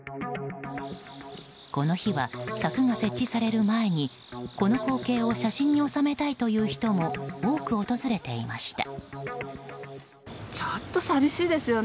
この日は、柵が設置される前にこの光景を写真に収めたいという人も多く訪れていました。